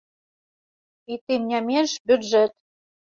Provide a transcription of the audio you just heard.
І тым не менш бюджэт.